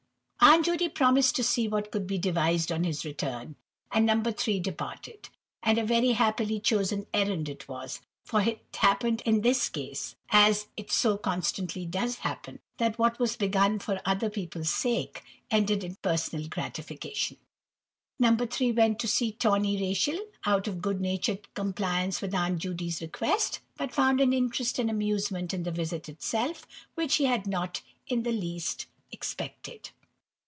Aunt Judy promised to see what could be devised on his return, and No. 3 departed. And a very happily chosen errand it was; for it happened in this case, as it so constantly does happen, that what was begun for other people's sake, ended in personal gratification. No. 3 went to see "Tawny Rachel," out of good natured compliance with Aunt Judy's request, but found an interest and amusement in the visit itself, which he had not in the least expected.